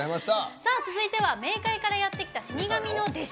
続いては冥界からやってきた死神の弟子